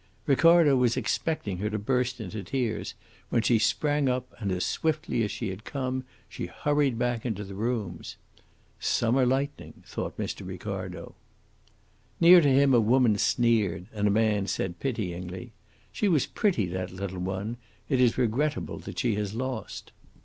Ricardo was expecting her to burst into tears, when she sprang up and as swiftly as she had come she hurried back into the rooms. "Summer lightning," thought Mr. Ricardo. Near to him a woman sneered, and a man said, pityingly: "She was pretty, that little one. It is regrettable that she has lost."